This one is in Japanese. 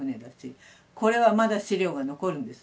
これはまだ資料が残るんです。